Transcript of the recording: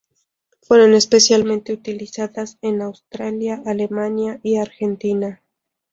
Fueron especialmente utilizadas en Australia, Alemania y Argentina.